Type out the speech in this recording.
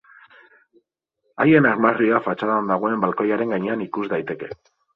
Haien armarria fatxadan dagoen balkoiaren gainean ikus daiteke.